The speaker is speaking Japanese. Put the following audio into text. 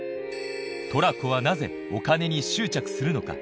トラコはなぜお金に執着するのか？